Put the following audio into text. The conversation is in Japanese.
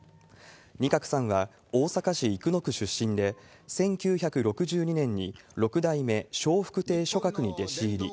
仁鶴さんは、大阪市生野区出身で、１９６２年に六代目笑福亭松鶴に弟子入り。